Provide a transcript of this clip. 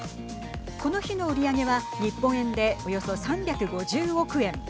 この日の売り上げは日本円でおよそ３５０億円。